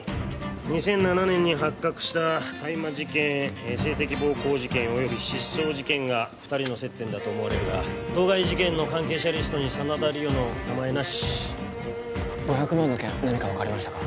２００７年に発覚した大麻事件性的暴行事件および失踪事件が二人の接点だと思われるが当該事件の関係者リストに真田梨央の名前なし５００万の件何か分かりましたか？